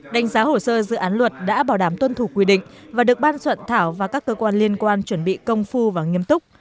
đánh giá hồ sơ dự án luật đã bảo đảm tuân thủ quy định và được ban soạn thảo và các cơ quan liên quan chuẩn bị công phu và nghiêm túc